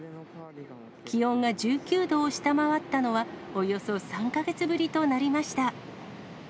気温が１９度を下回ったのは、およそ３か月ぶりとなりました。